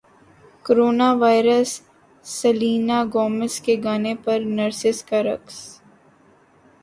corona virus Selena Gomez کے گانے پر نرسز کا رقص